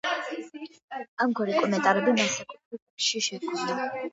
ამგვარი კომენტარები მას საკუთრივ ტექსტში შეჰქონდა.